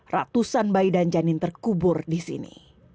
ratusan bayi dan janin terkubur di sini